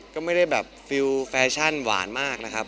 ก็ไม่ได้แบบฟิลแฟชั่นหวานมากนะครับ